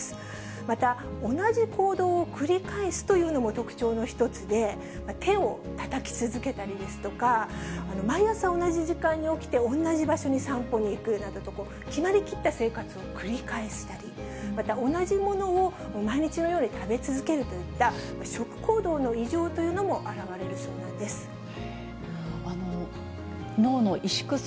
また、同じ行動を繰り返すというのも特徴の１つで、手をたたき続けたりですとか、毎朝同じ時間に起きて、同じ場所に散歩に行くなどと、決まりきった生活を繰り返したり、また、同じものを毎日のように食べ続けるといった、食行動の異常というのも表れるそうなんです。